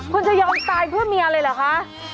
คุณจะยอมตายเพื่อเมียเลยเหรอคะ